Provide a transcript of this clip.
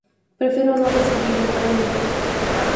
Prefiero no recibir el premio".